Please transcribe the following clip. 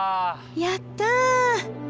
やった！